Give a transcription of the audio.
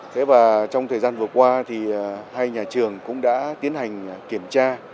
thế và trong thời gian vừa qua thì hai nhà trường cũng đã tiến hành kiểm tra